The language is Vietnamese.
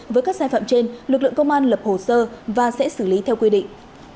với các sai phạm trên lực lượng công an lập hồ sơ và sẽ xử lý theo quy định